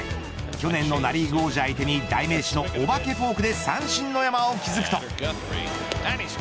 去年のナ・リーグ王者相手に代名詞のお化けフォークで三振の山を築くと。